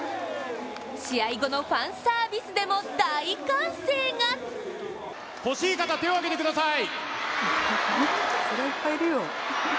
試合後のファンサービスでも大歓声がほしい方、手を上げてください！